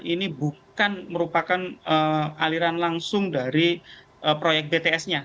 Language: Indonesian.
ini bukan merupakan aliran langsung dari proyek bts nya